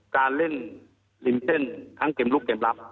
การเล่นริมเส้นทั้งเกมลุกเกมรับ